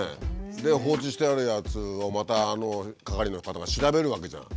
で放置してあるやつをまた係の方が調べるわけじゃん。